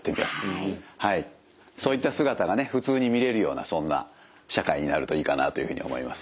そういった姿が普通に見れるようなそんな社会になるといいかなというふうに思います。